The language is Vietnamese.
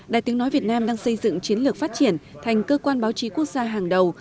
đài tiếng nói việt nam đang xây dựng chiến lược phát triển thành cơ quan báo chí quốc gia hàng đầu